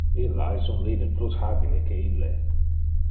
Illa es un leader plus habile que ille.